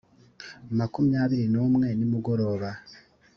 makumyabiri n umwe nimugoroba